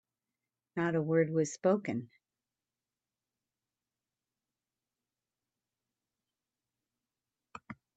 Not a word was spoken.